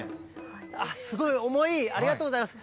すごい、重い、ありがとうございます。